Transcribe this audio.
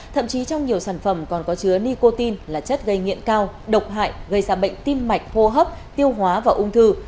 thậm chí trong nhiều sản phẩm còn có chứa nicotine là chất gây nghiện cao độc hại gây ra bệnh tim mạch hô hấp tiêu hóa và ung thư